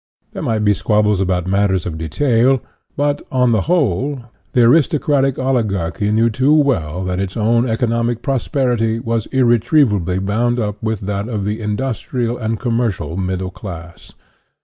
There might be squabbles about matters of de tail, but, on the whole, the aristocratic oligarchy knew too well that its own economic prosperity was irretrievably bound up with that of the in dustrial and commercial middle class.